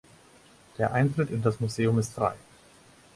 Der Eintritt in das Museum ist frei.